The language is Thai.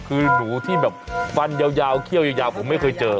คือหนูที่แบบฟันยาวเขี้ยวยาวผมไม่เคยเจอ